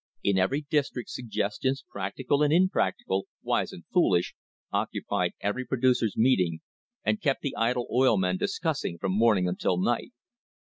In every district suggestions, practical and impractical, wise and foolish, occupied every producers' meeting and kept the idle oil men discussing from morning until night.